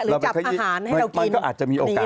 หรือจับอาหารให้เรากินมันก็อาจจะมีโอกาส